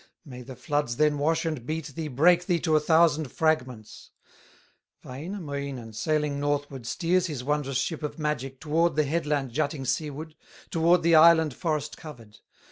May the floods then wash and beat thee, Break thee to a thousand fragments." Wainamoinen, sailing northward, Steers his wondrous ship of magic Toward the headland jutting seaward, Toward the island forest covered.